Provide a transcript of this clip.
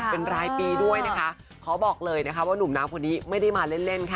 เป็นรายปีด้วยนะคะขอบอกเลยนะคะว่าหนุ่มน้ำคนนี้ไม่ได้มาเล่นเล่นค่ะ